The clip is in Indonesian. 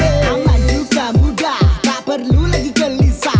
apa juga mudah tak perlu lagi gelisah